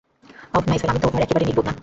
অহ, Nigel, আমি তো আর একেবারে নির্বোধ না।